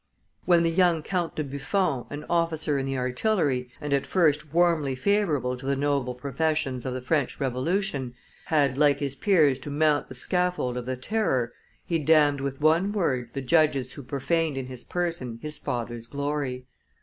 When the young Count de Buffon, an officer in the artillery, and at first warmly favorable to the noble professions of the French Revolution, had, like his peers, to mount the scaffold of the Terror, he damned with one word the judges who profaned in his person his father's glory.